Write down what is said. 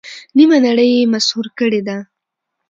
نیمه نړۍ یې مسحور کړې ده.